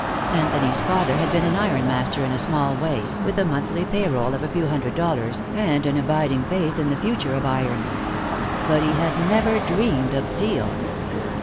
Anthony's father had been an iron master in a small way, with a monthly pay roll of a few hundred dollars, and an abiding faith in the future of iron. But he had never dreamed of steel.